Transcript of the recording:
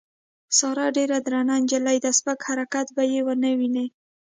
ساره ډېره درنه نجیلۍ ده سپک حرکت به یې ونه وینې.